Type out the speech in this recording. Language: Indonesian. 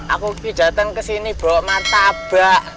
aku datang kesini bawa mantabak